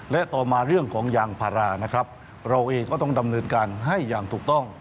และต่อมาเรื่องของยางพารานะครับเราเองก็ต้องดำเนินการให้อย่างถูกต้อง